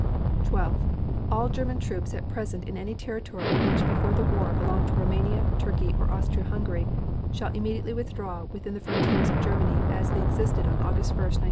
12. All German troops at present in any territory which before the war belonged to Roumania, Turkey or Austria Hungary shall immediately withdraw within the frontiers of Germany as they existed on August 1, 1914.